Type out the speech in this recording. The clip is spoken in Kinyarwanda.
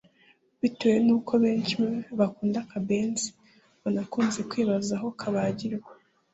Bitewe n’uko benshi mu bakunda akabenzi banakunze kwibaza aho kabagirwa